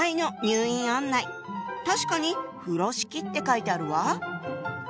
確かに「風呂敷」って書いてあるわ！